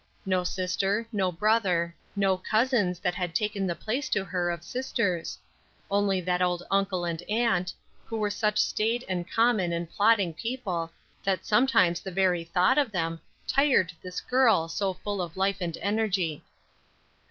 No sister, no brother, no cousins that had taken the place to her of sisters; only that old uncle and aunt, who were such staid and common and plodding people, that sometimes the very thought of them tired this girl so full of life and energy.